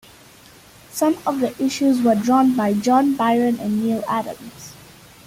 Some of the issues were drawn by John Byrne and Neal Adams.